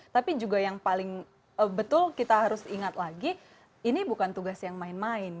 tapi juga yang paling betul kita harus ingat lagi ini bukan tugas yang main main